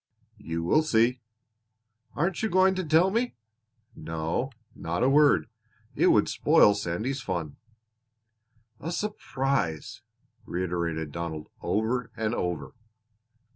"You will see." "Aren't you going to tell me?" "No, not a word. It would spoil Sandy's fun." "A surprise!" reiterated Donald over and over.